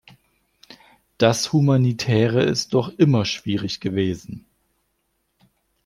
Das Humanitäre ist doch immer schwierig gewesen.